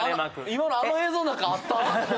今のあの映像の中あった？